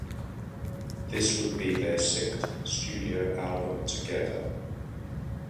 This would be their sixth studio album together.